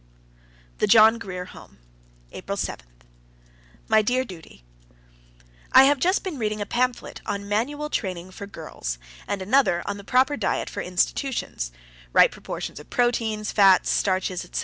THE JOHN GRIER HOME, April 7. My dear Judy: I have just been reading a pamphlet on manual training for girls, and another on the proper diet for institutions right proportions of proteins, fats, starches, etc.